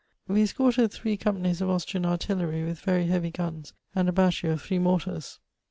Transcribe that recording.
We escorted three com panies of Austrian artillery with very heavy g^s and a battery of three mortars.